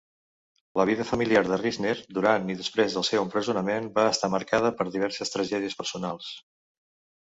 La vida familiar de Risner durant i després del seu empresonament va estar marcada per diverses tragèdies personals.